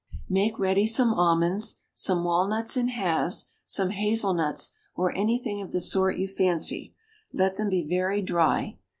Make ready some almonds, some walnuts in halves, some hazelnuts, or anything of the sort you fancy; let them be very dry.